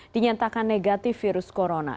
dinyatakan negatif virus corona